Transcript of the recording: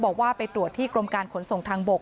บอกว่าไปตรวจที่กรมการขนส่งทางบก